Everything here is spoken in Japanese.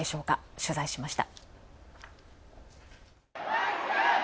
取材しました。